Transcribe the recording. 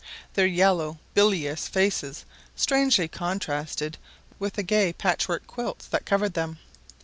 Their yellow bilious faces strangely contrasted with the gay patchwork quilts that covered them.